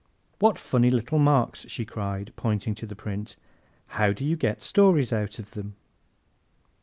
"What funny little marks!" she cried, pointing to the print. "How do you get stories out of them?"